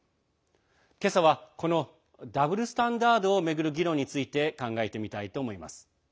今朝はこのダブルスタンダードを巡る議論について考えてみたいと思います。